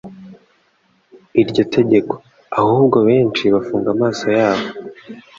iryo tegeko. Ahubwo benshi bafunga amaso yabo